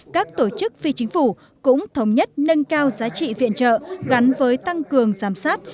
các tổ chức phi chính phủ cũng thống nhất nâng cao giá trị viện trợ gắn với tăng cường giám sát